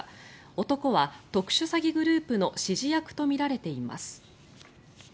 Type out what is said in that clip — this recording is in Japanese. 男は特殊詐欺グループの指示役とみられています。